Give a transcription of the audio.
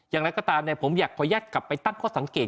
อย่างไรก็ตามผมอยากขออนุญาตกลับไปตั้งข้อสังเกต